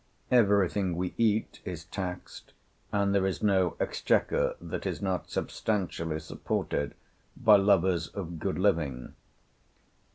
Everything we eat is taxed, and there is no exchequer that is not substantially supported by lovers of good living.